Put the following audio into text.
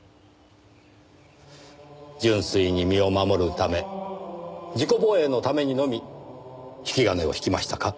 純粋に身を守るため自己防衛のためにのみ引き金を引きましたか？